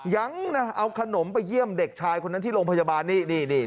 ยังนะเอาขนมไปเยี่ยมเด็กชายคนนั้นที่โรงพยาบาลนี่